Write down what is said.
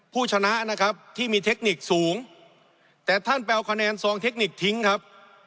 ผู้ชนะนะครับที่มีเทคนิคสูงแต่ท่านไปเอาคะแนนซองเทคนิคทิ้งครับ